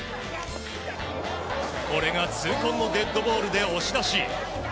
これが痛恨のデッドボールで押し出し。